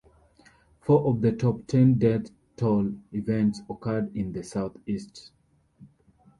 Four of the top ten death toll events occurred in the Southeast.